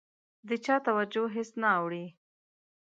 د چا توجه هېڅ نه اوړي.